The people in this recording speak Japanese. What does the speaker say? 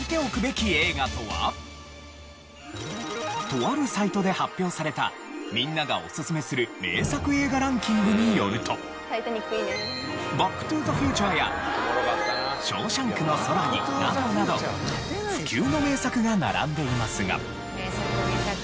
とあるサイトで発表されたみんながおすすめする名作映画ランキングによると『バック・トゥ・ザ・フューチャー』や『ショーシャンクの空に』などなど不朽の名作が並んでいますが。